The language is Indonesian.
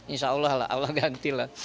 insya allah lah allah ganti lah